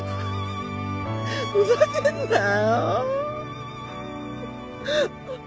ふざけんなよ。